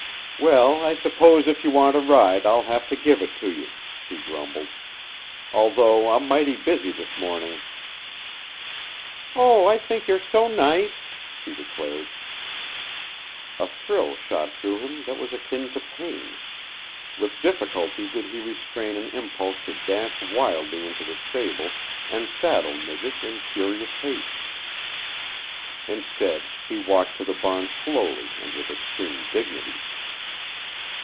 "Well, I suppose if you want a ride I'll have to give it to you," he grumbled, "although I'm mighty busy this morning." "Oh, I think you're so nice," she declared. A thrill shot through him that was akin to pain; with difficulty did he restrain an impulse to dash wildly into the stable and saddle Midget in furious haste. Instead he walked to the barn slowly and with extreme dignity.